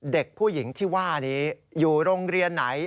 เด็กผู้หญิงที่ว่านี้อยู่โรงเรียนไหน